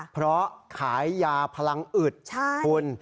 เพราะขายยาพลังอึดคุณ